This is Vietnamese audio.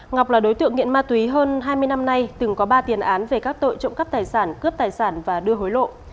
ngọc là đối tượng nghiện ma túy hơn hai mươi năm nay từng có ba tiền án về các tội trộm cắp tài sản cướp tài sản và đưa hối lộ